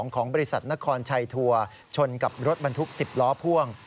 ของบริษัทนครชัยทัวร์ชนกับรถบรรทุก๑๐ล้อพ่วง